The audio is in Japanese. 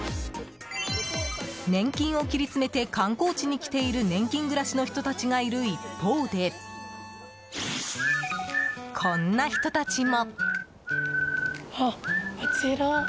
年金を切り詰めて観光地に来ている年金暮らしの人たちがいる一方でこんな人たちも。